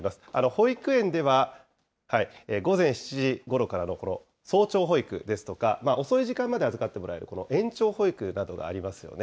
保育園では、午前７時ごろからの早朝保育ですとか、遅い時間まで預かってもらえるこの延長保育などがありますよね。